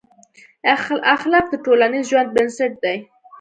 اخلاق د ټولنیز ژوند بنسټ دي.